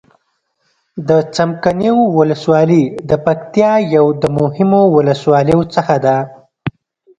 د څمکنيو ولسوالي د پکتيا يو د مهمو ولسواليو څخه ده.